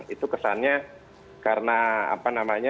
itu kesannya karena apa namanya